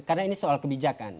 karena ini soal kebijakan